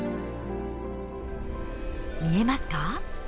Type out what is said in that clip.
見えますか？